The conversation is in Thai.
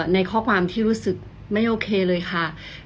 ในข้อความที่รู้สึกไม่โอเคเลยค่ะ